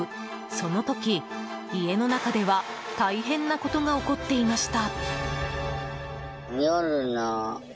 その時、家の中では大変なことが起こっていました。